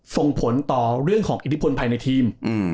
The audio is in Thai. ส่งผลต่อเรื่องของอิทธิพลภายในทีม